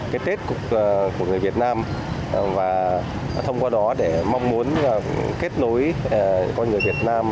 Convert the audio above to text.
cái tết của người việt nam và thông qua đó để mong muốn kết nối con người việt nam